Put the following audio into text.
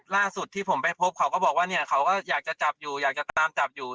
ล่าสุดที่ผมไปพบเขาก็บอกว่าเนี่ยเขาก็อยากจะจับอยู่อยากจะตามจับอยู่